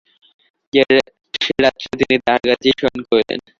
সে রাত্রে তিনি তাহার কাছেই শয়ন করিলেন।